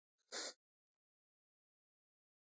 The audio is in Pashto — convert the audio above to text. څنګه مرسته کوی شم؟